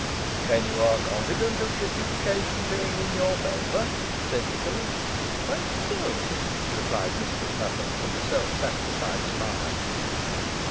"Then you are confident of the adjudication being in your favour?" said Nicholas. "Quite so," replied Mistress Nutter, with a self satisfied smile.